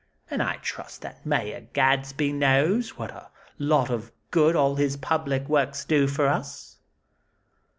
And I trust that Mayor Gadsby knows what a lot of good all his public works do for us."